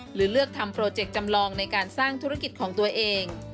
หรือเลือกทำโปรเจกต์จำลองในการสร้างธุรกิจของตัวเอง